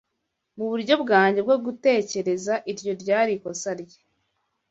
Muburyo bwanjye bwo gutekereza, iryo ryari ikosa rye.